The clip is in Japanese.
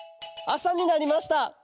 あさになりました。